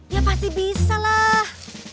ya pasti bisa lah